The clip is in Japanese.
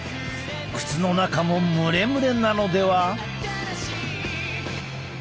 靴の中も蒸れ蒸れなのでは？